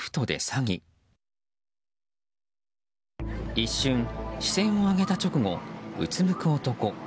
一瞬、視線を上げた直後うつむく男。